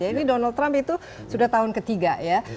ini donald trump itu sudah tahun ketiga ya